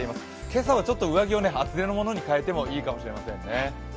今朝はちょっと上着を厚手のものに変えてもいいかもしれませんね。